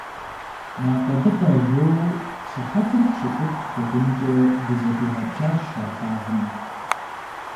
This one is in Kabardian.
Накъэдыкъэ жоу сыхьэтыр пщыкӏут хъухункӏэ дызэпигъэплъащ а плъагъум.